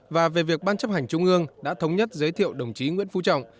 và về việc ban chấp hành trung ương đã thống nhất giới thiệu đồng chí nguyễn phú trọng